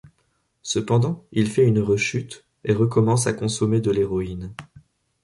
Cependant il fait une rechute et recommence à consommer de l'héroïne.